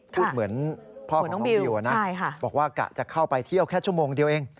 พูดเหมือนพ่อของน้องดิวนะบอกว่ากะจะเข้าไปเที่ยวแค่ชั่วโมงเดียวเอง